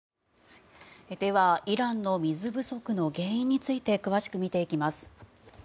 ではイランの水不足の原因について詳しく見ていきます。